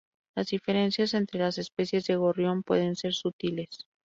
Las diferencias entre las especies de gorrión pueden ser sutiles.